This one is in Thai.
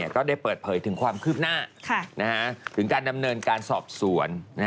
ก็ได้เปิดเผยถึงความคืบหน้าถึงการดำเนินการสอบสวน